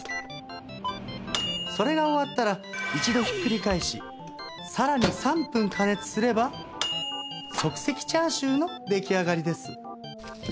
それが終わったら一度ひっくり返しさらに３分加熱すれば即席チャーシューの出来上がりです。